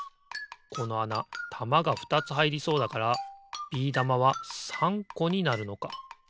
このあなたまがふたつはいりそうだからビー玉は３こになるのか。